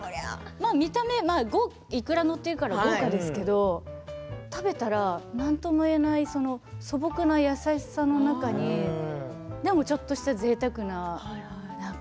見た目、いくらが載っているから豪華なんですけど食べたらなんとも言えない素朴な優しさの中にでもちょっとした、ぜいたくな。